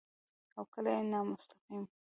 او کله يې نامستقيم